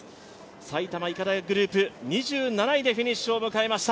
埼玉医科大学グループ２７位でフィニッシュを迎えました。